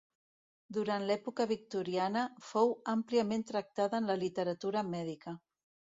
Durant l'època victoriana fou àmpliament tractada en la literatura mèdica.